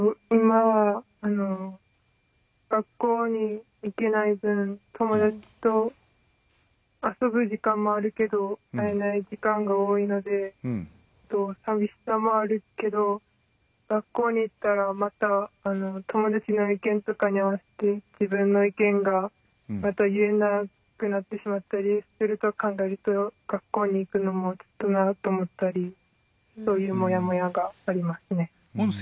学校に行けない分友達と遊ぶ時間もあるけど会えない時間が多いのでさみしさもあるけど学校に行ったらまた友達の意見とかに合わせて自分の意見がまた言えなくなってしまったりすると考えると学校に行くのもちょっとなと思ったりそういうもやもやがありますね。